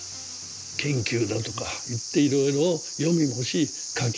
研究だとかいっていろいろ読みもし書き